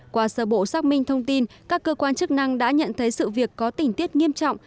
qua sơ bộ xác minh thông tin các cơ quan chức năng đã nhận thấy sự việc có tình tiết nghiêm trọng